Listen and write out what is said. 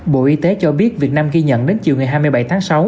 bộ y tế cho biết việt nam ghi nhận đến chiều ngày hai mươi bảy tháng sáu